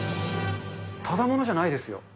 ただ者じゃないですよ。